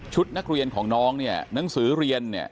นักเรียนของน้องเนี่ยหนังสือเรียนเนี่ย